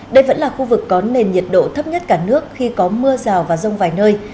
đây vẫn là khu vực có nền nhiệt độ thấp nhất cả nước khi có mưa rào và rông vài nơi